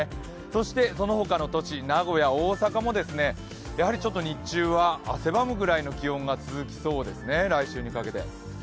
そしてそのほかの都市名古屋、大阪も日中は汗ばむくらいの気温が続きそうですね、来週にかけて。